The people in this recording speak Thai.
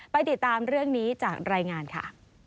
ติดตามเรื่องนี้จากรายงานค่ะ